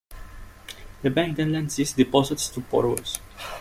The bank then lends these deposits to borrowers.